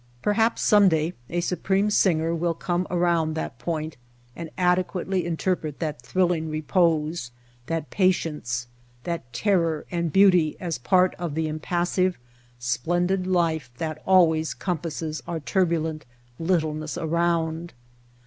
Perhaps some day a supreme singer will come around that point and adequately interpret that thrill ing repose, that patience, that terror and beauty as part of the impassive, splendid life that always compasses our turbulent littleness around.